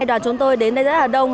đoàn chúng tôi đến đây rất là đông